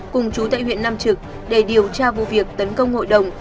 cùng chú tại huyện nam trực để điều tra vụ việc tấn công hội đồng